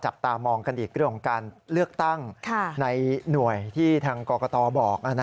จับตามองกันอีกเรื่องของการเลือกตั้งในหน่วยที่ทางกรกตบอก